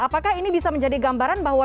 apakah ini bisa menjadi gambaran bahwa